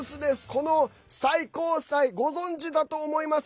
この最高裁、ご存じだと思います。